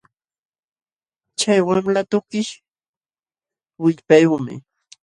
Chay wamla tukish willpayuqmi